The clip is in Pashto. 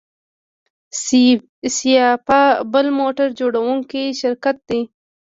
سایپا بل موټر جوړوونکی شرکت دی.